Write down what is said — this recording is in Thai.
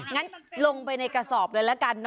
งั้นลงไปในกระสอบเลยละกันนะ